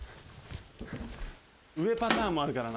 上パターンもあるからな。